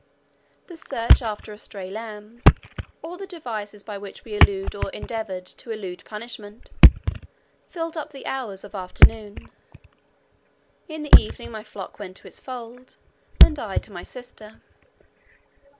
The search after a stray lamb, or the devices by which we elude or endeavoured to elude punishment, filled up the hours of afternoon; in the evening my flock went to its fold, and I to my sister.